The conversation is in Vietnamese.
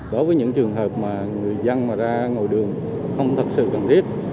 đối với những trường hợp mà người dân mà ra ngồi đường không thật sự cần thiết